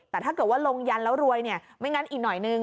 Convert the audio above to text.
แต่ถ้าเกิดว่าลงยันแล้วรวยเนี่ยไม่งั้นอีกหน่อยนึง